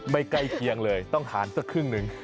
ใกล้เคียงเลยต้องทานสักครึ่งหนึ่ง